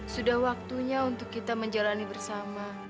sudah waktunya untuk kita menjalani bersama